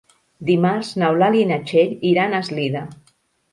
Dimarts n'Eulàlia i na Txell iran a Eslida.